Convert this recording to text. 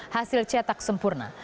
hasil cetak sempurna